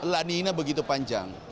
laninya begitu panjang